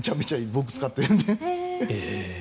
僕、使ってるので。